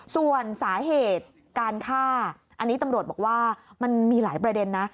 ส่วนสาเหตุการฆ่าอันนี้ตำรวจบอกว่ามันมีหลายประเด็นนะ